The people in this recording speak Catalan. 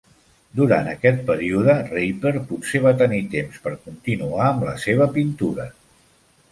Durant aquest període, Raper potser va tenir temps per continuar amb la seva pintura.